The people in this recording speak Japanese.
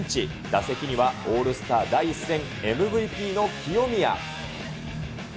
打席にはオールスター第１戦ＭＶＰの清宮。